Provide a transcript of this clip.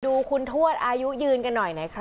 ดูคุณทวดอายุยืนกันหน่อยนะครับ